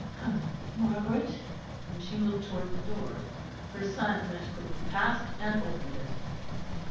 Come, Margaret." And she moved towards the door; her son went quickly past and opened it.